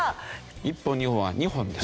１本２本は「“ニ”ホン」です。